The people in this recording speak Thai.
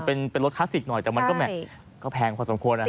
เป็นรถคลาสสิกหน่อยแต่มันก็แพงพอสมควร